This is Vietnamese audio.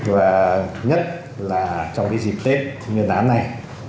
và nhất là trong cái dịp tết miền đá này